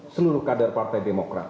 seluruh kader partai demokrat